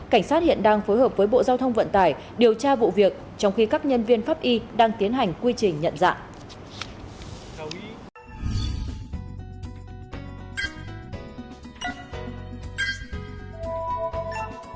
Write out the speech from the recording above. cảnh sát hiện đang phối hợp với bộ giao thông vận tải điều tra vụ việc trong khi các nhân viên pháp y đang tiến hành quy trình nhận dạng